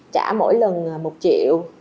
trả mỗi lần một triệu